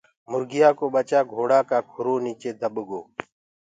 مرگيآ ڪو ٻچآ گھوڙآ ڪآ کُرو نيچي دٻگو۔